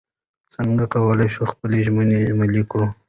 څنګه کولی شو خپلې ژمنې عملي کړو؟